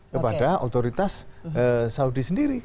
kepada otoritas saudi sendiri